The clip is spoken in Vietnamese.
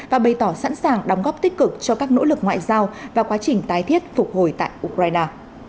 và bày tỏ sẵn sàng đóng góp tích cực cho các nỗ lực ngoại giao và quá trình tái thiết phục hồi tại ukraine